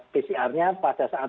pcr nya pada saat